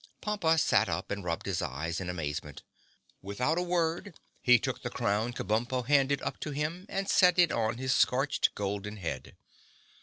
Pompa sat up and rubbed his eyes in amazement. Without a word, he took the crown Kabumpo handed up to him, and set it on his scorched, golden head.